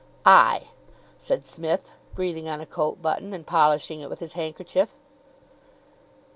"I," said Psmith, breathing on a coat button, and polishing it with his handkerchief.